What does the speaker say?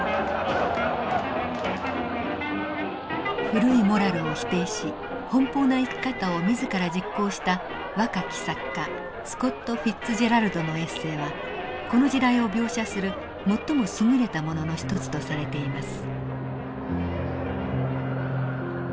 古いモラルを否定し奔放な生き方を自ら実行した若き作家スコット・フィッツジェラルドのエッセーはこの時代を描写する最もすぐれたものの一つとされています。